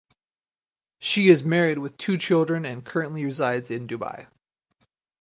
She is married with two children and currently resides in Dubai.